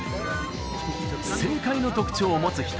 正解の特徴を持つ人